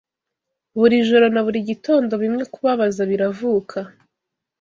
Buri joro na buri gitondo Bimwe Kubabaza Biravuka